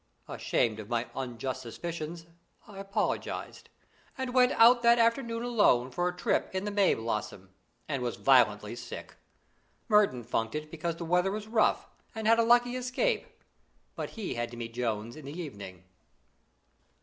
Ashamed of my unjust suspicions, I apologised, and went out that afternoon alone for a trip in the Mayblossom, and was violently sick. Merton funked it because the weather was rough, and had a lucky escape; but he had to meet Jones in the evening.